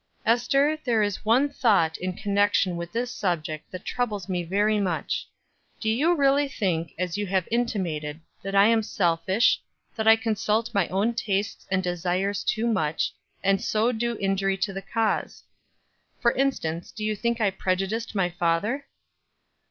"Ester, there is one thought in connection with this subject that troubles me very much. Do you really think, as you have intimated, that I am selfish, that I consult my own tastes and desires too much, and so do injury to the cause. For instance, do you think I prejudiced my father?"